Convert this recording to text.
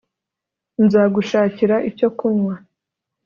nzagushakira icyo kunywa